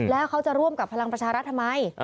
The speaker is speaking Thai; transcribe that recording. แล้วเขาจะร่วมกับพลังประชารัฐทำไม